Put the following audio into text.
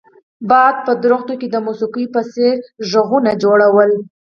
باد په ونو کې د موسیقۍ په څیر غږونه جوړول